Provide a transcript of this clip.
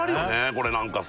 これなんかさ